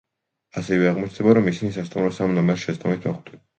ასევე აღმოჩნდება, რომ ისინი სასტუმროს ამ ნომერში შეცდომით მოხვდნენ.